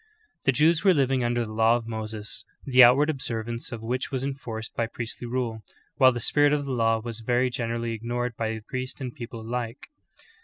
The Jews were living under the Law of Moses, the outward observance of which was enforced by priestly rule, while the spirit of the law was very generally ignored by priest and people alike.